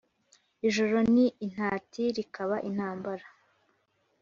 ijoro ni intati, rikaba intambara,